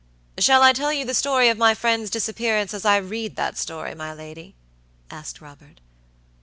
"Shall I tell you the story of my friend's disappearance as I read that story, my lady?" asked Robert.